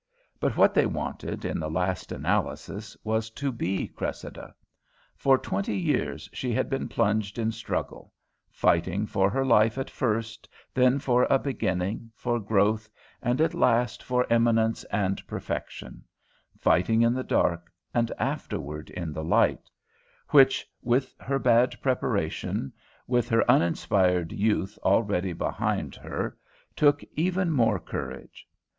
But what they wanted, in the last analysis, was to be Cressida. For twenty years she had been plunged in struggle; fighting for her life at first, then for a beginning, for growth, and at last for eminence and perfection; fighting in the dark, and afterward in the light, which, with her bad preparation, and with her uninspired youth already behind her, took even more courage.